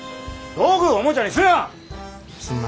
道具をおもちゃにすな！